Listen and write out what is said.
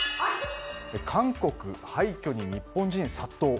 韓国、廃虚に日本人殺到。